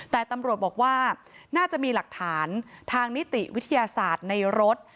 แต่ตำรวจบอกว่าน่าจะมีหลักฐานทางนิติวิทยาศาสตร์ในรถ